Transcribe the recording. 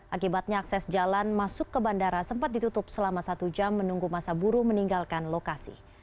akibatnya akses jalan masuk ke bandara sempat ditutup selama satu jam menunggu masa buruh meninggalkan lokasi